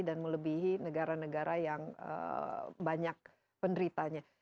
dan melebihi negara negara yang banyak penderitanya